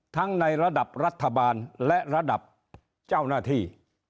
ในระดับรัฐบาลและระดับเจ้าหน้าที่